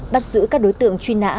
bắt giữ các đối tượng truy nã